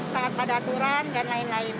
taat pada aturan dan lain lain